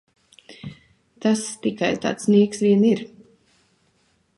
Tas tikai tāds nieks vien ir!